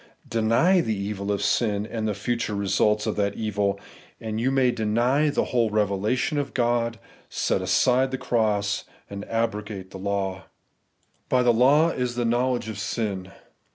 Deny the evil of sin, and the future re sults of that evil, and you may deny the whole revelation of God, set aside the cross, and abrogate the law. 'By the law is the knowledge of sin.'